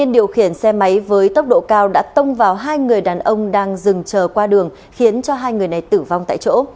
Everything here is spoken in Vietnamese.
điều khiển xe máy với tốc độ cao đã tông vào hai người đàn ông đang dừng chờ qua đường khiến cho hai người này tử vong tại chỗ